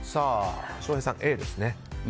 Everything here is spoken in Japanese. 翔平さんはＡですね。